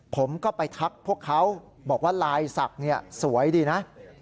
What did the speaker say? ผมก็ไปทักพวกเขาบอกว่าลายศักดิ์สวยดีนะ